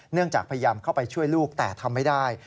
จากพยายามเข้าไปช่วยลูกแต่ทำไม่ได้